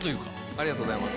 ありがとうございます。